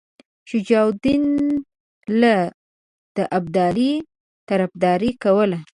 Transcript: شجاع الدوله د ابدالي طرفداري کوله.